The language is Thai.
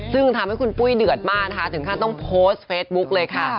ซึ่งทำให้คุณปุ้ยเดือดมากนะคะถึงขั้นต้องโพสต์เฟซบุ๊กเลยค่ะ